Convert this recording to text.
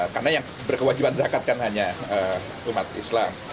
karena yang berkewajiban zakat kan hanya umat islam